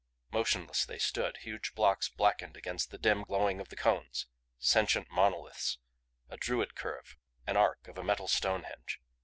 Motionless they stood, huge blocks blackened against the dim glowing of the cones sentient monoliths; a Druid curve; an arc of a metal Stonehenge.